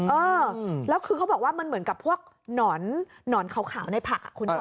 เออแล้วคือเขาบอกว่ามันเหมือนกับพวกหนอนขาวในผักอ่ะ